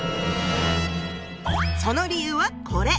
その理由はこれ！